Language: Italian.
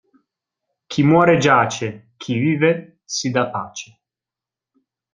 Chi muore giace, chi vive si dà pace.